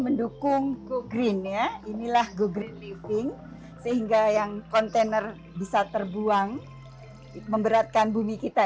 mendukung gogreen ya inilah gogreen living sehingga yang kontainer bisa terbuang memberatkan bumi kita